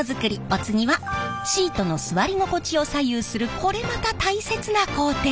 お次はシートの座り心地を左右するこれまた大切な工程。